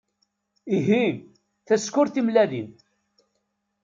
Ihi, tasekkurt timellalin!